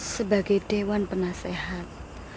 sebagai dewan penasehat